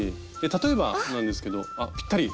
例えばなんですけどあっぴったり！